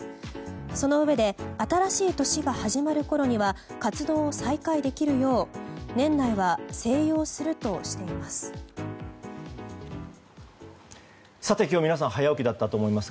そのうえで新しい年が始まるころには活動を再開できるよう年内は静養するとしています。